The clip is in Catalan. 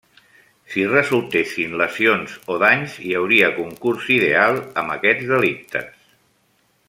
Si resultessin lesions o danys hi hauria concurs ideal amb aquests delictes.